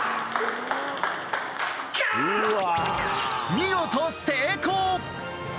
見事成功！